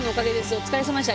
お疲れさまでした。